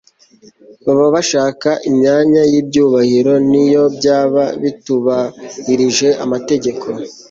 baba bashaka imyanya y'ibyubahiro niyo byaba bitubahirije amategeko